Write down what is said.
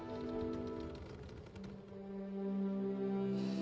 ん。